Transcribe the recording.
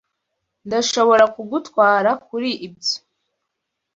Ndashobora kugutwara kuri ibyo.